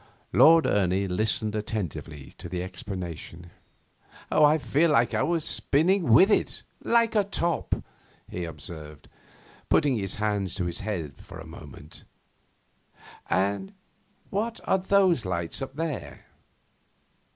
Lord Ernie listened attentively to the explanation. 'I feel as if I were spinning with it like a top,' he observed, putting his hand to his head a moment. 'And what are those lights up there?